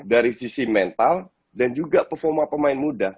dari sisi mental dan juga performa pemain muda